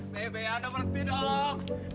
bebek anda berhenti dong